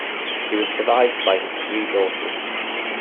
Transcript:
He was survived by his three daughters.